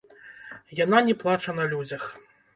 Яна не плача на людзях.